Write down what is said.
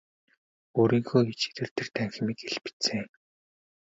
Өөрийнхөө ид шидээр тэр танхимыг илбэдсэн.